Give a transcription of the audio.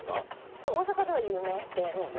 多分大阪では有名で。